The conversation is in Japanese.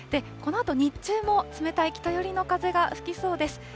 このあと日中も冷たい北寄りの風が吹きそうです。